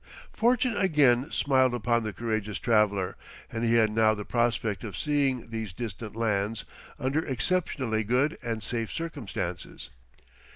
Fortune again smiled upon the courageous traveller, and he had now the prospect of seeing these distant lands under exceptionally good and safe circumstances.